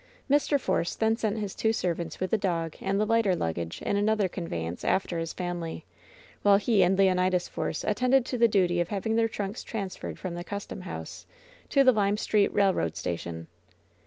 Mr. Force then sent his two servants with the dog and the lighter luggage in another conveyance after his fam ily, while he and Leonidas Force attended to the duty of having their trunks transferred from the custom house to the Lime Street Railroad Station.